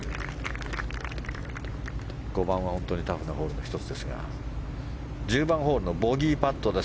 ５番は本当にタフなホールの１つですが１０番ホールのボギーパットです。